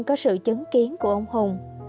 có sự chứng kiến của ông hùng